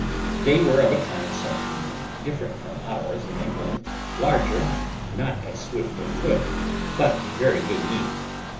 They were of a kind something different from ours in England, larger and not as swift of foot, but very good meat.